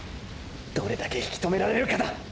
どれだけ引き止められるかだ！！